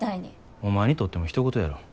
お前にとってもひと事やろ。